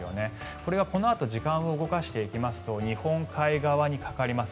これがこのあと時間を動かしていきますと日本海側にかかります。